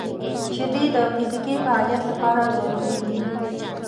• شیدې د فزیکي فعالیت لپاره ضروري دي.